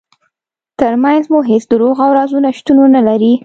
ترمنځ مو هیڅ دروغ او رازونه شتون ونلري.